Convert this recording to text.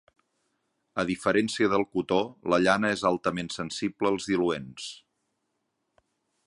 A diferència del cotó, la llana és altament sensible als diluents.